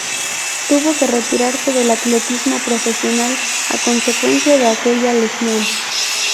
Tuvo que retirarse del atletismo profesional, a consecuencia de aquella lesión.